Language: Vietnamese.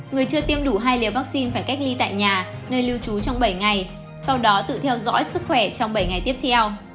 người chưa tiêm đủ hai liều vaccine phải cách ly tại nhà nơi lưu trú trong bảy ngày sau đó tự theo dõi sức khỏe trong bảy ngày tiếp theo